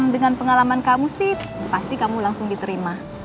dengan pengalaman kamu sih pasti kamu langsung diterima